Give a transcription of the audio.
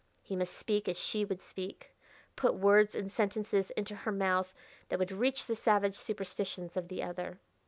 He must speak as she would speak; put words and sentences into her mouth that would reach the savage superstitions of the other.